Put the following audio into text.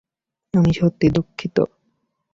আমি সত্যিই দুঃখিত!